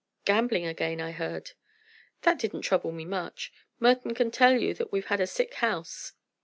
"Gambling again, I heard." "That didn't trouble me much. Merton can tell you that we've had a sick house."